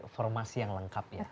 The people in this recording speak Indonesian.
formasi yang lengkap ya